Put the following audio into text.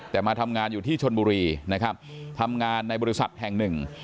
แต่มาทำงานอยู่ที่ชนบุรีนะครับทำงานในบริษัทแห่งหนึ่ง